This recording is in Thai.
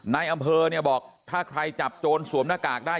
ในอำเภอเนี่ยบอกถ้าใครจับโจรสวมหน้ากากได้